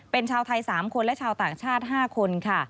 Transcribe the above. เป็นชาวไทย๓คนและชาวต่างชาติ๕คนค่ะ